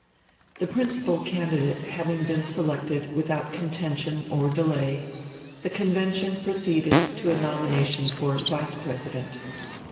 The principal candidate having been selected without contention or delay, the convention proceeded to a nomination for Vice President.